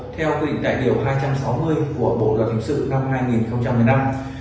theo quy định tại điều hai trăm sáu mươi của bộ luật hình sự năm hai nghìn một mươi năm